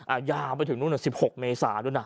ยาวไปถึงนู่น๑๖เมษาด้วยนะ